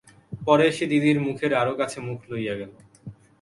পরে সে দিদির মুখের আরও কাছে মুখ লইয়া গেল।